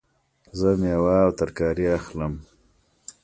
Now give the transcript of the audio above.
زه میوه او ترکاری اخلم